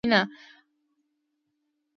ازمرے پۀ جسماني او فکري توګه د جبلت غلام دے